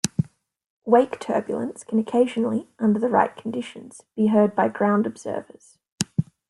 Wake turbulence can occasionally, under the right conditions, be heard by ground observers.